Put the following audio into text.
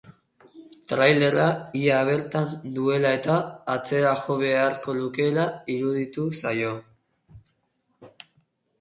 Trailerra ia bertan duela-eta atzera jo beharko lukeela iruditu zaio.